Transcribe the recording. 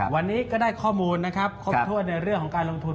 วันนี้ก็ได้ข้อมูลครบถั่วในเรื่องของการลงทุน